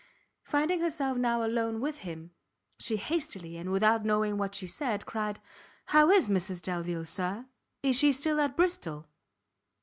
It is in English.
Finding herself now alone with him, she hastily, and without knowing what she said, cried, "How is Mrs Delvile, Sir? Is she still at Bristol?"